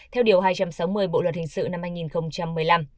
theo điều hai trăm sáu mươi bộ luật hình sự năm hai nghìn một mươi năm